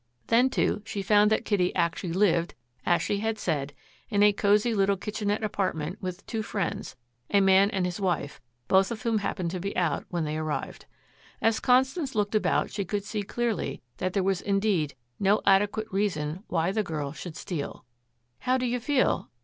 Then, too, she found that Kitty actually lived, as she had said, in a cozy little kitchenette apartment with two friends, a man and his wife, both of whom happened to be out when they arrived. As Constance looked about she could see clearly that there was indeed no adequate reason why the girl should steal. "How do you feel?"